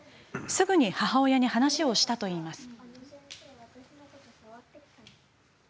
すぐに母親に話をしたといいます。